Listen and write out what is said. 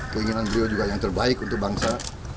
keinginan beliau juga yang terbaik untuk bangsa